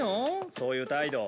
そういう態度。